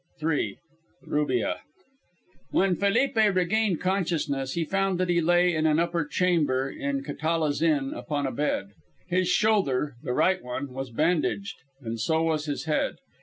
III. RUBIA When Felipe regained consciousness he found that he lay in an upper chamber of Catala's inn upon a bed. His shoulder, the right one, was bandaged, and so was his head.